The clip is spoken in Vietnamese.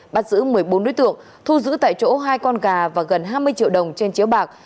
bắt giữ một mươi bốn đối tượng thu giữ tại chỗ hai con gà và gần hai mươi triệu đồng trên chiếu bạc